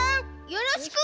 よろしく！